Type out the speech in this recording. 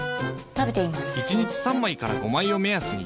１日３枚から５枚を目安に。